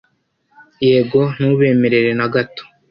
yego, ntubemere na gato